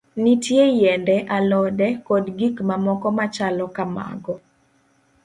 Nitie yiende, alode, kod gik mamoko machalo kamago.